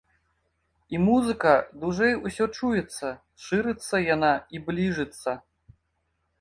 І музыка дужэй усё чуецца, шырыцца яна і бліжыцца.